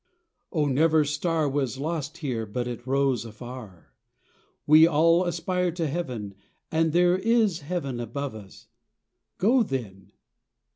"Oh, never star Was lost here but it rose afar ! We all aspire to Heaven, and there is Heaven Above us ; go then